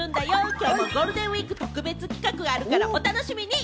今日もゴールデンウイーク特別企画もあるからお楽しみに。